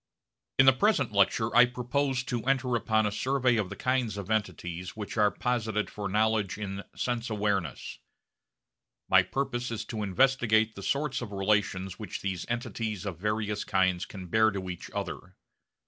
In the present lecture I propose to enter upon a survey of the kinds of entities which are posited for knowledge in sense awareness. My purpose is to investigate the sorts of relations which these entities of various kinds can bear to each other.